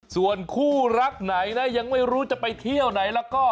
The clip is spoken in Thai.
ส่วนคู่รักไหนนะยังไม่รู้จะไปเที่ยวไหนแล้วก็